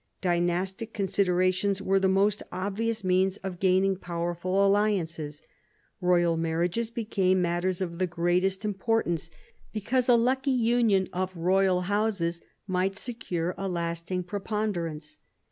Dynastic considerations were the most obvious means of gaining powerful alliances. Eoyal marriages became matters of the greatest importance, because a lucky union of royal houses might secure a lasting pre ponderance.